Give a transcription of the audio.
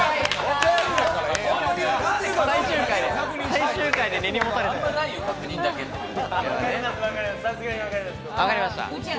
最終回で根に持たれた。